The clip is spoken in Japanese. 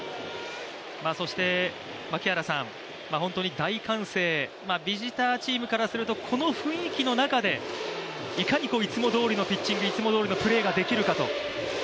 本当に大歓声、ビジターチームからすると、この雰囲気の中でいかにいつもどおりのピッチングいつもどおりのプレーができるかと。